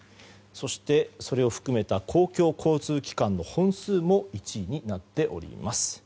そして、それを含めた公共交通機関の本数も１位となっております。